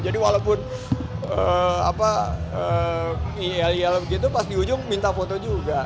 jadi walaupun yljl begitu pas di ujung minta foto juga